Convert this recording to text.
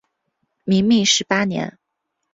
明命十八年。